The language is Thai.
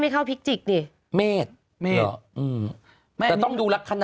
ก็ดูลูกหน่อย